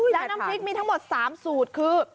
แล้วน้ำพริกมีทั้งหมด๓สูตรคือ